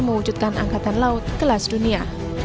mewujudkan angkatan laut kelas dunia